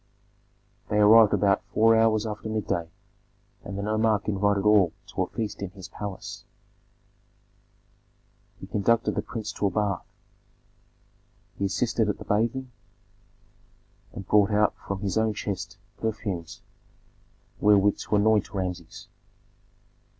They arrived about four hours after midday, and the nomarch invited all to a feast in his palace. He conducted the prince to a bath, he assisted at the bathing, and brought out from his own chest perfumes wherewith to anoint Rameses.